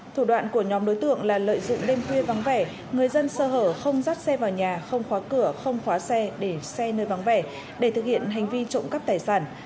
thủ đoạn của nhóm đối tượng là lợi dụng đêm khuya vắng vẻ người dân sơ hở không dắt xe vào nhà không khóa cửa không khóa xe để xe nơi vắng vẻ để thực hiện hành vi trộm cắp tài sản